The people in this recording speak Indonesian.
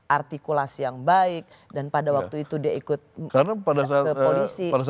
artikulasi yang baik dan pada waktu itu dia ikut ke polisi